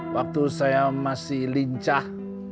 waktu saya masih lincah